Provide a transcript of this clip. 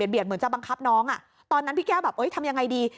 เหมือนจะบังคับน้องตอนนั้นพี่แก้วแบบเอ้ยทำยังไงดี